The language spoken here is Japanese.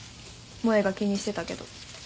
萌が気にしてたけど。